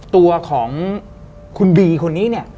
ตัวของคุณบีคนนี้